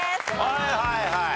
はいはいはい。